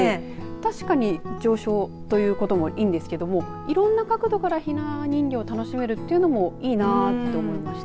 確かに上昇ということもいいんですけどもいろいろな角度からひな人形を楽しめるというのもいいなと思いました。